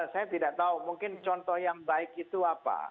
saya tidak tahu mungkin contoh yang baik itu apa